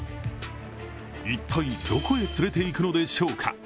一体、どこへ連れて行くのでしょうか。